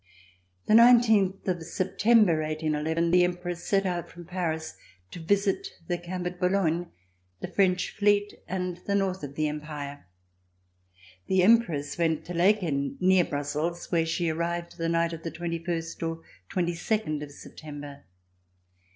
The nineteenth of September, 181 1, the Emperor set out from Paris to visit the camp at Boulogne, the French Fleet and the north of the Empire. The Empress went to Laeken near Brussels, where she arrived the night of the twenty first or twenty second of September.